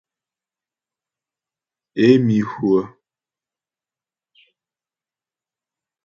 Ě mi hwə̂.